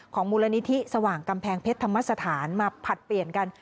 มูลนิธิสว่างกำแพงเพชรธรรมสถานมาผลัดเปลี่ยนกัน